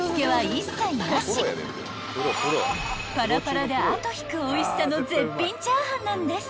［パラパラで後引くおいしさの絶品炒飯なんです］